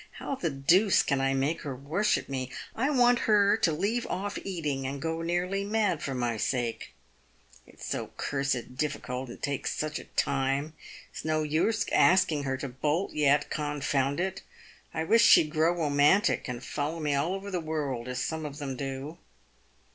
How the deuce can I make her worship PAYED WITH GOLD. 307 me. I want her to leave off eating and go nearly mad for my sake. It's so cursed difficult, and takes such a time. It's no use asking her to bolt yet, confound it ! I wish she'd grow romantic and follow me all over the world as some of them do."